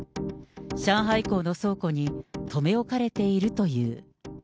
上海港の倉庫に留め置かれているという。